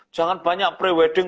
jangan banyak pre wedding